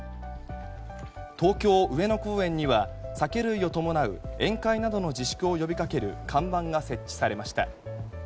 東京・上野公園には酒類を伴う宴会などの自粛を呼び掛ける看板が設置されました。